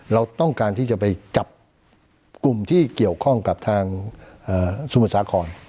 เราต้องการที่จะไปจับกลุ่มที่เกี่ยวข้องกับทางสมุทรสาคร